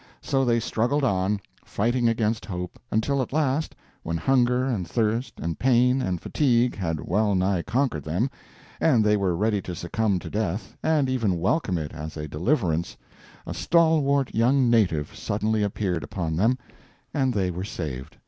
So they struggled on, fighting against hope, until at last, when hunger and thirst, and pain and fatigue had well nigh conquered them, and they were ready to succumb to death, and even welcome it as a deliverance, a stalwart young native suddenly appeared upon then and they were saved.